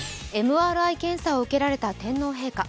ＭＲＩ検査を受けられた天皇陛下。